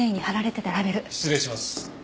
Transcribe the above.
失礼します。